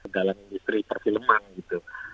dalam industri perfilman gitu